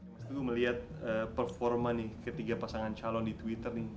masih dulu melihat performa ketiga pasangan calon di twitter